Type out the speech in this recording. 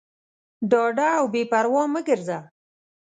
ډاډه او بېپروا مه ګرځه.